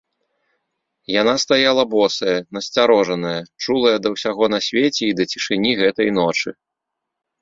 Яна стаяла босая, насцярожаная, чулая да ўсяго на свеце і да цішыні гэтай ночы.